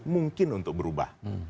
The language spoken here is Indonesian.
mungkin untuk berubah